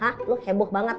hah lo heboh banget